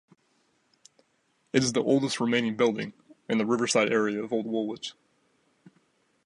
It is the oldest remaining building in the riverside area of Old Woolwich.